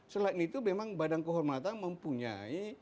selain itu memang badan kehormatan mempunyai